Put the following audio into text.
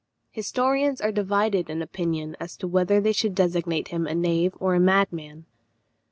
Historians are divided in opinion as to whether they should designate him a knave or a madman.